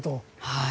はい。